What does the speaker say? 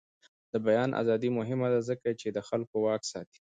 د بیان ازادي مهمه ده ځکه چې د خلکو واک ساتي.